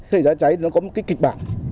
thể giá cháy nó có một cái kịch bản